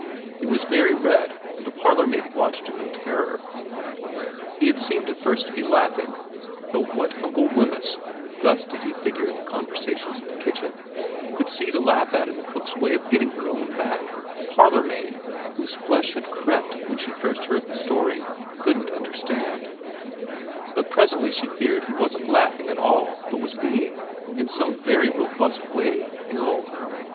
He was very red, and the parlour maid watched him in terror. He had seemed at first to be laughing, though what Uncle Wemyss (thus did he figure in the conversations of the kitchen) could see to laugh at in the cook's way of getting her own back, the parlourmaid, whose flesh had crept when she first heard the story, couldn't understand ; but presently she feared he wasn't laughing at all but was being, in some very robust way, ill.